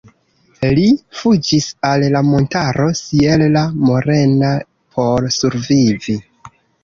Li fuĝis al la montaro Sierra Morena por survivi.